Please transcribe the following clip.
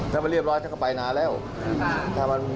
ถ้ามันเรียบร้อยจะไปนานแล้วถ้ามันจะหลบเรียบร้อย